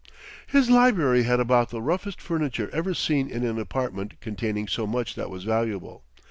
His library had about the roughest furniture ever seen in an apartment containing so much that was valuable.